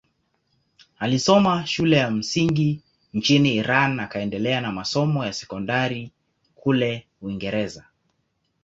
Alisoma shule ya msingi nchini Iran akaendelea na masomo ya sekondari kule Uingereza.